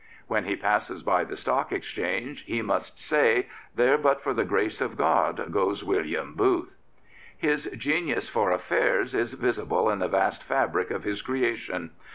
When he passes by the Stock Exchange he must say: ''There, but for the grace of God, goes William Booth.'' His genius for affairs is visible in the vast fabric of his creation.